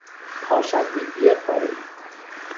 پاشندگی پارهای